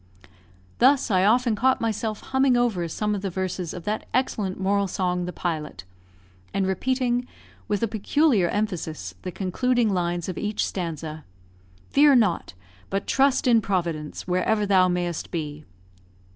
Thus, I often caught myself humming over some of the verses of that excellent moral song "The Pilot," and repeating, with a peculiar emphasis, the concluding lines of each stanza, "Fear not! but trust in Providence, Wherever thou may'st be."